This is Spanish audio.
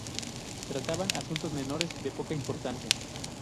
Trataban asuntos menores, de poca importancia.